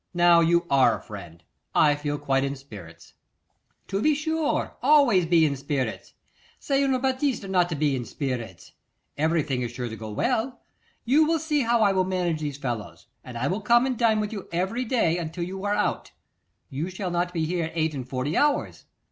Now, you are a friend; I feel quite in spirits.' 'To be sure! always be in spirits. C'est une bêtise not to be in spirits. Everything is sure to go well. You will see how I will manage these fellows, and I will come and dine with you every day until you are out: you shall not be here eight and forty hours.